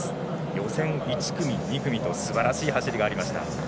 予選１組、２組とすばらしい走りがありました。